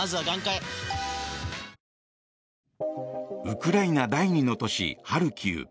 ウクライナ第２の都市ハルキウ。